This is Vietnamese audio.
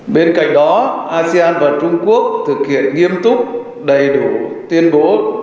bên cạnh đó asean và trung quốc thực hiện nghiêm túc đầy đủ tuyên bố